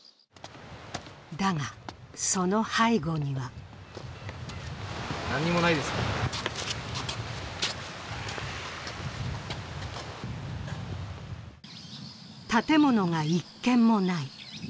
だが、その背後には建物が一軒もない。